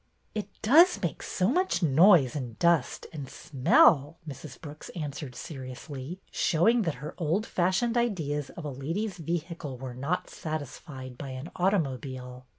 " It does make so much noise and dust and smell," Mrs. Brooks answered seriously, showing that her old fashioned ideas of a lady's vehicle were not satisfied by an automobile.